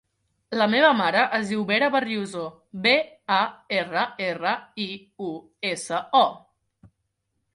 La meva mare es diu Vera Barriuso: be, a, erra, erra, i, u, essa, o.